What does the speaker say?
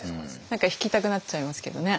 何か弾きたくなっちゃいますけどね。